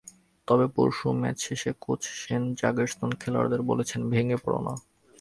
তবে পরশু ম্যাচ শেষে কোচ শেন জার্গেনসেন খেলোয়াড়দের বলেছেন, ভেঙে পড়ো না।